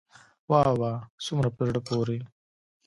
واه واه څومره په زړه پوري.